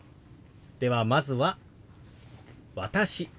ではまずは「私」。